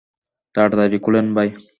তাড়াতাড়ি খোলেন ভাই।